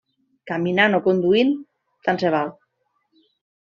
Caminant o conduint, tant se val.